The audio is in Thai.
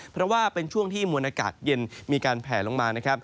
เพราะว่าเป็นช่วงที่มวลอากาศเย็นมีการแผลลงมานะครับ